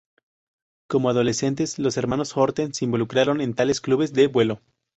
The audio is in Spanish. Como adolescentes, los hermanos Horten se involucraron en tales clubes de vuelo.